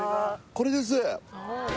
これです